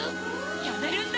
やめるんだ！